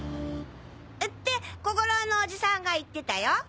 って小五郎のおじさんが言ってたよ。